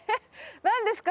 何ですか？